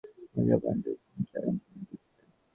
বোন, আমার এ কথা কাউকে বোঝাবার নয়– যিনি সব জানেন তিনিই বুঝবেন।